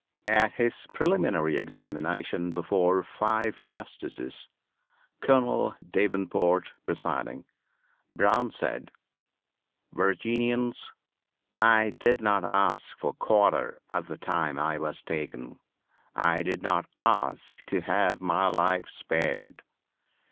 At his preliminary examination before five justices, Colonel Davenport presiding, Brown said: "Virginians! I did not ask for quarter at the time I was taken. I did not ask to have my life spared.